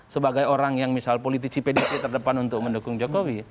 sebagai orang yang misal politisi pdip terdepan untuk mendukung jokowi